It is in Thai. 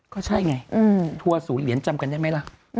ก็ใช่ไงทั่วสูงเหรียญจำกันได้ไหมอ่ะ